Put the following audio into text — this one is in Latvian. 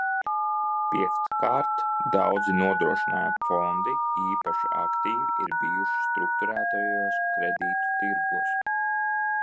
Piektkārt, daudzi nodrošinājuma fondi īpaši aktīvi ir bijuši strukturētajos kredītu tirgos.